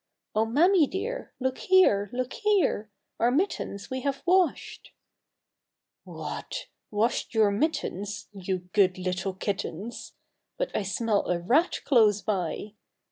" Oh, mammy dear, look here, look here, Our mittens we have washed." THE THREE LITTLE KITTENS . "What ! washed your mittens, You good little kittens! But I smell a rat close by